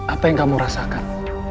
apa yang kamu rasakan